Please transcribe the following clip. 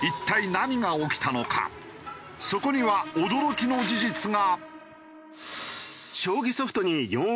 そこには驚きの事実が。